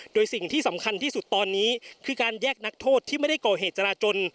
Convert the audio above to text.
โดยสิ่งที่สำคัญที่สุดตอนนี้คือการแยกนักโทษที่ไม่ได้ก่อเหตุจราจน